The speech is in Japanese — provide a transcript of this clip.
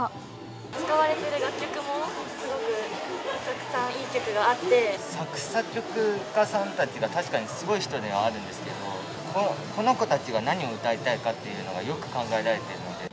使われている楽曲も、すごく作詞作曲家さんたちが、確かにすごい人ではあるんですけど、この子たちが何を歌いたいかっていうのが、よく考えられているので。